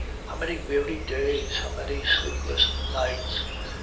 how many weary days! how many sleepless nights!